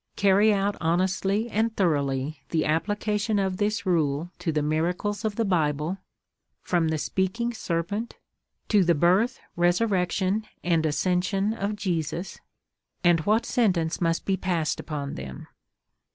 Carry out honestly and thoroughly the application of this rule to the miracles of the Bible, from the speaking serpent, to the birth, resurrection and ascension of Jesus, and what sentence must be passed upon them?